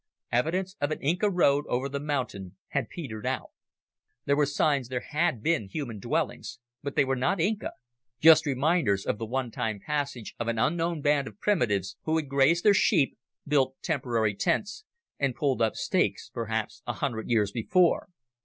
Evidence of an Inca road over the mountain had petered out. There were signs there had been human dwellings, but they were not Inca just reminders of the onetime passage of an unknown band of primitives who had grazed their sheep, built temporary tents, and pulled up stakes perhaps a hundred years before.